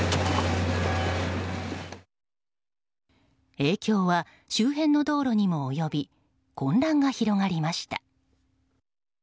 影響は周辺の道路にも及び混乱が広がりました。